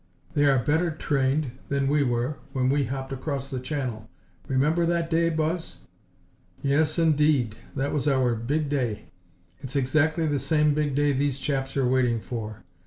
"They are better trained than we were when we hopped across the channel. Remember that day, Buzz?" "Yes indeed! That was our big day; it's exactly the same big day these chaps are waiting for.